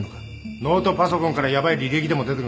ノートパソコンからヤバい履歴でも出てくるのか